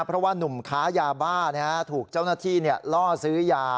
เพราะว่านุ่มค้ายาบ้าถูกเจ้าหน้าที่ล่อซื้อยา